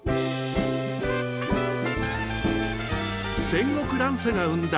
戦国乱世が生んだ